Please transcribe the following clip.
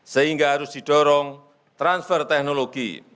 sehingga harus didorong transfer teknologi